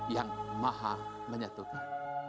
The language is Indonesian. yang maha menyatukan